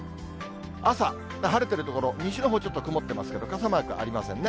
朝、晴れてる所、西のほう、ちょっと曇ってますけど、傘マークありませんね。